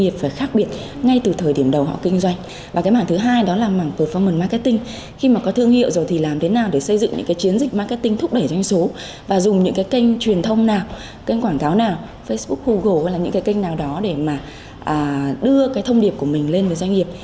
facebook nào facebook google hay là những cái kênh nào đó để mà đưa cái thông điệp của mình lên với doanh nghiệp